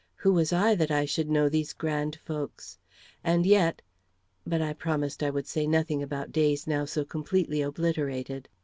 Who was I, that I should know these grand folks? And yet But I promised I would say nothing about days now so completely obliterated.